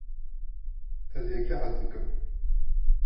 ez yekî hez dikim